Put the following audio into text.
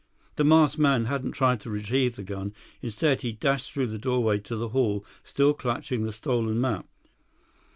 The masked man hadn't tried to retrieve the gun. Instead, he dashed through the doorway to the hall, still clutching the stolen map.